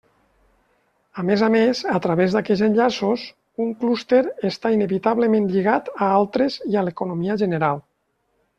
A més a més, a través d'aquests enllaços, un clúster està inevitablement lligat a altres i a l'economia general.